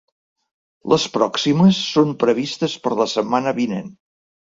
Les pròximes són previstes per la setmana vinent.